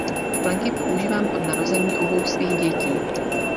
Plenky používám od narození obou svých dětí.